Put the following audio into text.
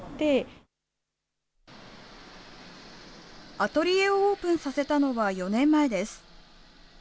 アトリエをオープンさせたのは４年前です。